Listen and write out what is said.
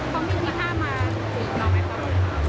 ก็มีที่ถ้ามาคุยกับน้องไอ้พ่อหรือเปล่า